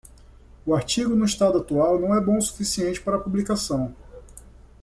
O artigo no estado atual não é bom o suficiente para publicação.